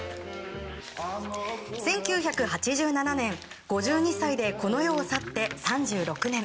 １９８７年、５２歳でこの世を去って３６年。